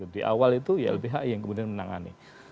di awal itu ilbhi yang menangani